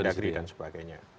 mendagri dan sebagainya